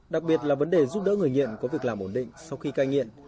đặc biệt là vấn đề giúp đỡ người nghiện có việc làm ổn định sau khi cai nghiện